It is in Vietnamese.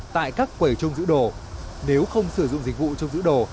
tại các quẩy trung giữ đồ nếu không sử dụng dịch vụ trung giữ đồ